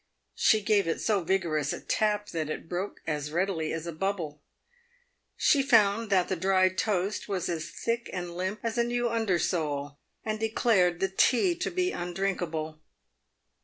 She gave it so vigorous a tap that it broke as readily as a bubble. She found that the dried toast was as thick and limp as a new undersole, and declared the tea to be undrinkable.